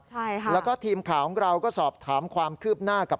ใช่ค่ะแล้วก็ทีมข่าวของเราก็สอบถามความคืบหน้ากับ